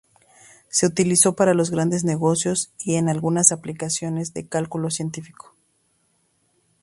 Se utilizó para los grandes negocios y en algunas aplicaciones de cálculo científico.